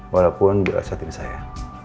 walaupun dia asetim saya